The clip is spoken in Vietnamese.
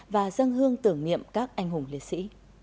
và dân hương tưởng niệm các anh hùng liệt sĩ